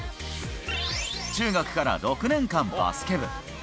中学から６年間バスケ部。